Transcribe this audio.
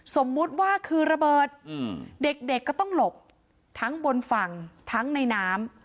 สมมุติว่าคือระเบิดเด็กก็ต้องหลบทั้งบนฝั่งทั้งในน้ำ